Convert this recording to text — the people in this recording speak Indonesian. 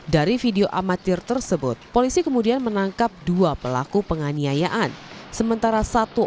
dari video amatir tersebut polisi kemudian menangkap dua pelaku penganiayaan sementara satu